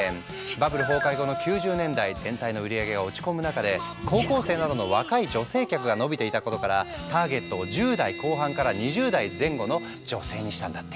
バブル崩壊後の９０年代全体の売り上げが落ち込む中で高校生などの若い女性客が伸びていたことからターゲットを１０代後半から２０歳前後の女性にしたんだって。